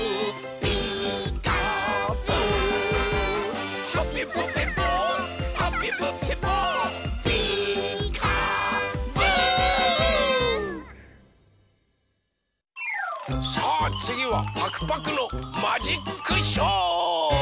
「ピーカーブ！」さあつぎはパクパクのマジックショー！